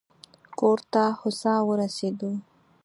کور ته هوسا ورسېدو.